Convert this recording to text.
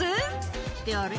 「ってあれ？